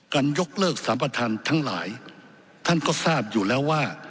ยกเลิกสัมประธานทั้งหลายท่านก็ทราบอยู่แล้วว่า